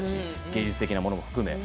芸術的なものも含め。